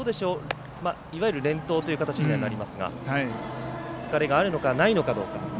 いわゆる連投という形にはなりますが疲れがあるのかないのかどうか。